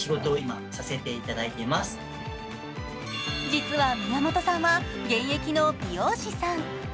実は宮本さんは現役の美容師さん。